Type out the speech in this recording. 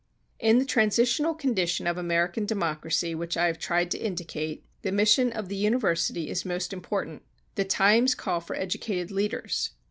In the transitional condition of American democracy which I have tried to indicate, the mission of the university is most important. The times call for educated leaders.